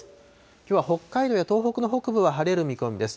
きょうは北海道や東北の北部は晴れる見込みです。